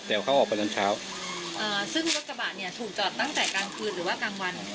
แต่เขาออกไปตอนเช้าอ่าซึ่งรถกระบะเนี่ยถูกจอดตั้งแต่กลางคืนหรือว่ากลางวัน